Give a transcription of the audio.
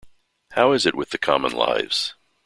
How is it with the common lives?